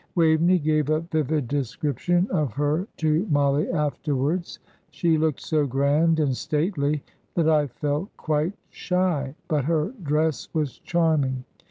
Waveney gave a vivid description of her to Mollie afterwards. "She looked so grand and stately that I felt quite shy; but her dress was charming.